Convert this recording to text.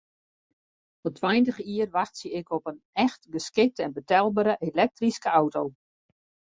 Al tweintich jier wachtsje ik op in echt geskikte en betelbere elektryske auto.